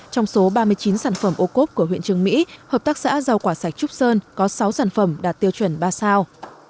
trong số ba mươi chín sản phẩm ô cốp của huyện trường mỹ hợp tác xã rau quả sạch trúc sơn có sáu sản phẩm đạt tiêu chuẩn ba sao